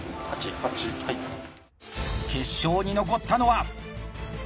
決勝に残ったのは。